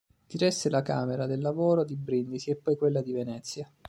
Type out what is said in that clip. Diresse la Camera del Lavoro di Brindisi e poi quella di Venezia.